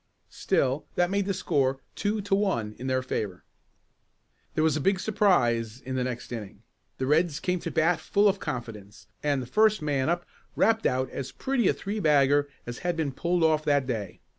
Still that made the score two to one in their favor. There was a big surprise in the next inning. The Reds came to bat full of confidence, and the first man up rapped out as pretty a three bagger as had been pulled off that day.